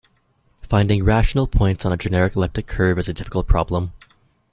Finding rational points on a general elliptic curve is a difficult problem.